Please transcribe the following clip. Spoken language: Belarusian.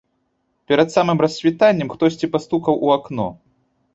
Перад самым рассвітаннем хтосьці пастукаў у акно.